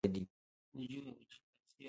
Uhusiano wake na wakwe zake uliboreshwa zaidi